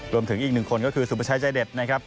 รวมถึงอีกหนึ่งคนก็คือสุประชายใจเด็ดนะครับ